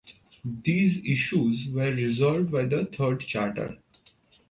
These issues were resolved by the Third Charter.